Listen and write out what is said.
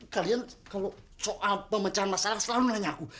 kalian kalau soal pemecahan masalah selalu nanya aku